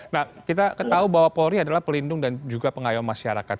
nah kita ketahui bahwa polri adalah pelindung dan juga pengayom masyarakat